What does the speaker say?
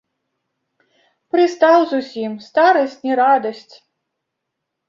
Прыстаў зусім, старасць не радасць.